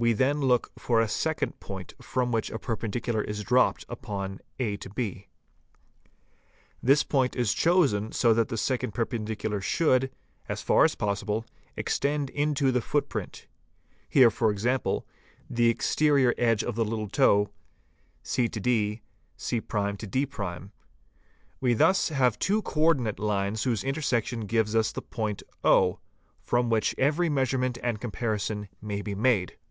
We then look for a second fixed point from which a perpendicular is dropped upon a b. This point is chosen so that the second perpendicular should, as far as possible, extend into the footprint; here, for example, the exterior edge of the little toe, cd, c' d'. We thus have two co ordinate lines whose intersection gives us the point o from which every measurement and com parison may be made.